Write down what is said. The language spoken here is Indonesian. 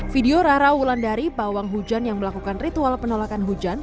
video rara wulandari pawang hujan yang melakukan ritual penolakan hujan